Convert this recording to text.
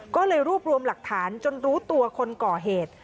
ก็เลยรวบรวมหลักฐานจนรู้ตัวคนก่อเหตุ